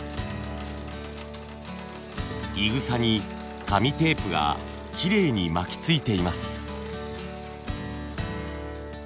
いぐさに紙テープがきれいに巻きついています。